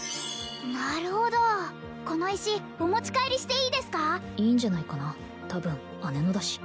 なるほどこの石お持ち帰りしていいですかいいんじゃないかな多分姉のだし